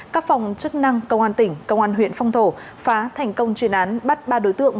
các phòng chức năng công an tỉnh công an huyện phong thổ phá thành công chuyên án bắt ba đối tượng